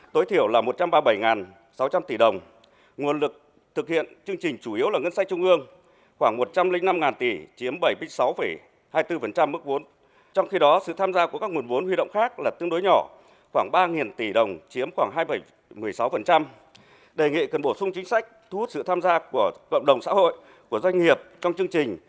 tổng nguồn lực thực hiện giai đoạn của cộng đồng xã hội của doanh nghiệp trong chương trình